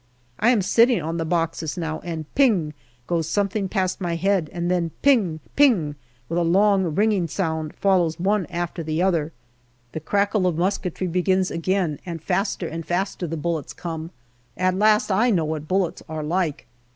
I am sitting on the boxes now, and " ping " goes something past my head, and then " ping ping/' with a long ringing sound, follows one after the other. The crackle of musketry begins again, and faster and faster the bullets come. At last I know what bullets are like.